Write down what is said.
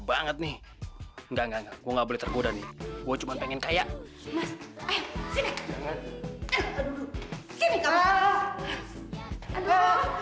banget nih enggak enggak enggak boleh tergoda nih gue cuman pengen kayak sini